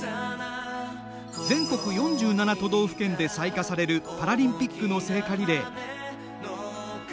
全国４７都道府県で採火されるパラリンピックの聖火リレー。